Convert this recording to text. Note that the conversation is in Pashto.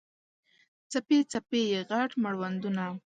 څپې، څپې یې، غټ مړوندونه